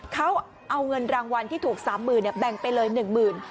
เขาเอาเงินรางวัลที่ถูก๓๐๐๐แบ่งไปเลย๑หมื่น